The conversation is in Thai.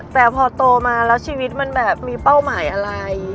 แต่พอโตมาแล้วชีวิตมันแบบมีเป้าหมายอะไร